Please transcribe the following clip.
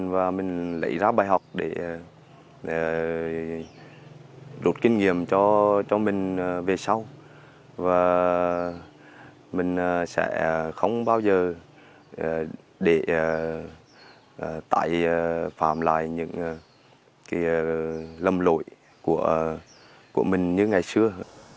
và mình sẽ không bao giờ để tải phạm lại những lầm lội của mình như ngày xưa